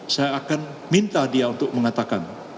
saya akan minta dia untuk mengatakan